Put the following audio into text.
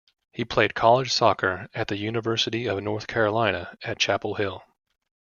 He played college soccer at the University of North Carolina at Chapel Hill.